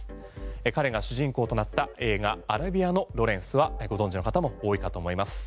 彼が主人公となった映画「アラビアのロレンス」はご存知の方も多いかと思います。